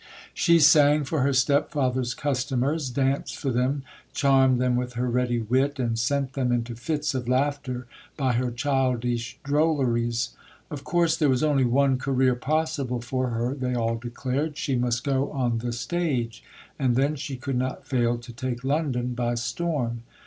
She sang for her stepfather's customers, danced for them, charmed them with her ready wit, and sent them into fits of laughter by her childish drolleries. Of course there was only one career possible for her, they all declared. She must go on the stage, and then she could not fail to take London by storm.